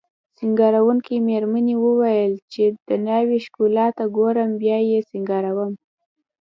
سینګاروونکې میرمنې وویل چې د ناوې ښکلا ته ګورم بیا یې سینګاروم